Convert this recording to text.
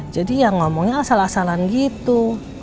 jadi ya ngomongnya asal asalan gitu